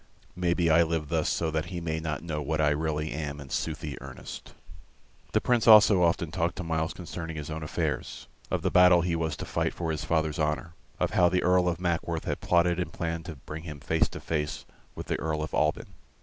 Maybe I live thus so that he may not know what I really am in soothly earnest." The Prince also often talked to Myles concerning his own affairs; of the battle he was to fight for his father's honor, of how the Earl of Mackworth had plotted and planned to bring him face to face with the Earl of Alban.